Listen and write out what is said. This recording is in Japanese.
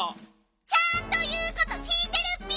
ちゃんということきいてるッピ！